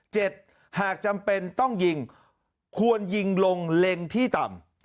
หากจำเป็นต้องยิงควรยิงลงเล็งที่ต่ำ